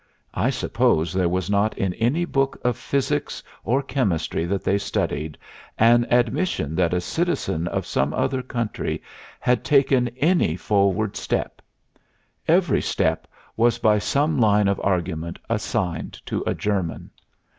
I suppose there was not in any book of physics or chemistry that they studied an admission that a citizen of some other country had taken any forward step; every step was by some line of argument assigned to a German.